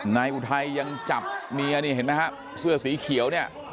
อุทัยยังจับเมียนี่เห็นไหมฮะเสื้อสีเขียวเนี่ย